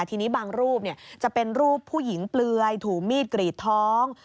ทีนี้บางรูปจะเป็นรูปผู้หญิงเปลือยถูมีดกรีดท้อง